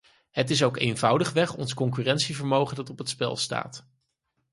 Het is ook eenvoudigweg ons concurrentievermogen dat op het spel staat.